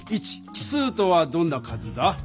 奇数とはどんな数だ？